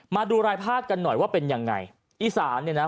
มาดูรายภาคกันหน่อยว่าเป็นยังไงอีสานเนี่ยนะ